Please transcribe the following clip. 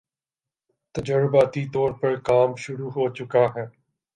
تجرباتی طور پر کام شروع ہو چکا ہے